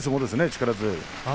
力強い。